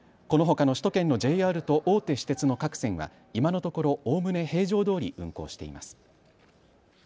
このほかの首都圏のＪＲと大手私鉄の各線は今のところおおむね平常どおり運行しています。